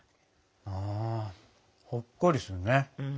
うんほっこりするね。